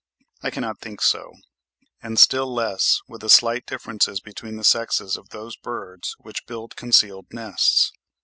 I cannot think so; and still less with the slight differences between the sexes of those birds which build concealed nests.